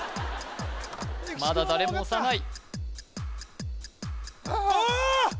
まだ誰も押さないあーっ！